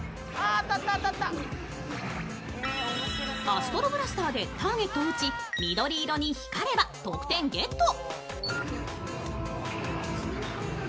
アストロブラスターでターゲットを撃ち緑色に光れば得点ゲット。